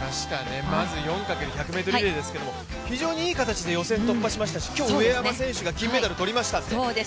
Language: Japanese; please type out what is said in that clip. まず４×１００ｍリレーですけれども、非常にいい形で予選突破しましたし今日は上山選手が金メダルとりましたので。